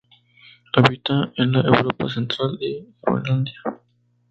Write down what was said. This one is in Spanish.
Habita en la Europa Central y Groenlandia.